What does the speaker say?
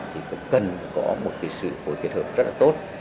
thì cũng cần có một sự phối kết hợp rất là tốt